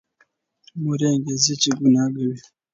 مور یې انګېري چې ګناه کوي.